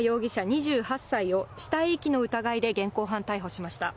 ２８歳を、死体遺棄の疑いで現行犯逮捕しました。